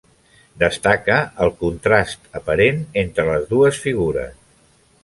Destaca el contrast aparent entre les dues figures.